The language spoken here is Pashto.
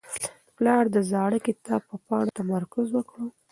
پلار د زاړه کتاب په پاڼو تمرکز وکړ.